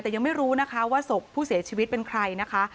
แต่ยังไม่รู้นะคะว่าศพผู้เสียชีวิตเป็นใครนะคะ